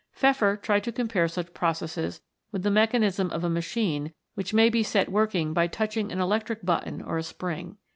Pfeffer tried to compare such processes with the mechanism of a machine which may be set working by touching an electric button or a spring.